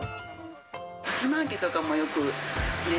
さつま揚げとかもよく入れ